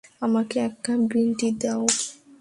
আমাকে এক cup green tea দাও।